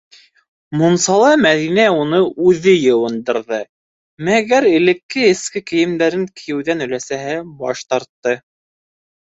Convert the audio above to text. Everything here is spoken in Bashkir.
Мунсала Мәҙинә уны үҙе йыуындырҙы, мәгәр элекке эске кейемдәрен кейеүҙән өләсәһе баш тартты: